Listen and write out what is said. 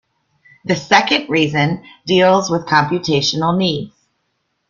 The second reason deals with computational needs.